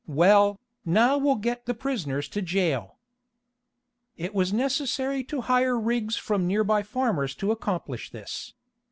Well, now we'll get the prisoners to jail." It was necessary to hire rigs from nearby farmers to accomplish this.